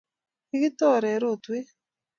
kikitore rotwe